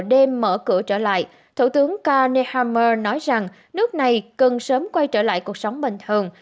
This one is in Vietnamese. đêm mở cửa trở lại thủ tướng kenehmmer nói rằng nước này cần sớm quay trở lại cuộc sống bình thường